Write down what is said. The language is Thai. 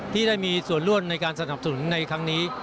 ที่ได้มีส่วนร่วมในการสนับสนุนในครั้งนี้